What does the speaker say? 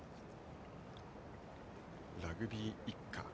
ラグビー一家。